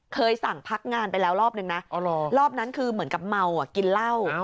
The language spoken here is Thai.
สั่งพักงานไปแล้วรอบนึงนะรอบนั้นคือเหมือนกับเมากินเหล้า